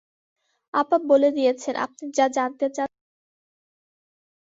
আপা বলে দিয়েছেন আপনি যা জানতে চান তা যেন বলি।